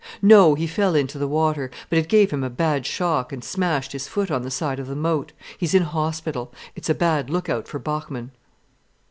"No. He fell into the water. But it gave him a bad shock, and smashed his foot on the side of the moat. He's in hospital. It's a bad look out for Bachmann."